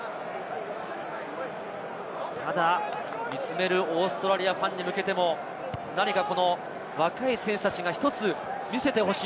ただ見つめるオーストラリアファンに向けても何か若い選手たちが１つ見せてほしい。